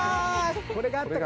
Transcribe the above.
これがあったか。